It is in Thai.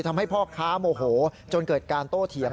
ทำให้พ่อค้าโมโหจนเกิดการโต้เถียง